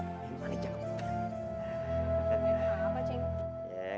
tapi ada hal apa cing